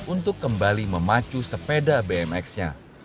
untuk kembali memacu sepeda bmx nya